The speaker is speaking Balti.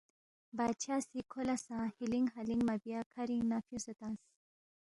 بادشاہ سی کھو لہ سہ ہِلنگ ہَلنگ مہ بیا کھرِنگ نہ فیُونگسے تنگس